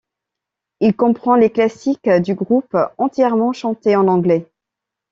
Il comprend les classiques du groupe entièrement chantés en anglais.